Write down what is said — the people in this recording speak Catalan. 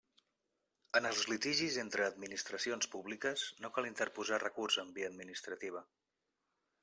En els litigis entre administracions públiques no cal interposar recurs en via administrativa.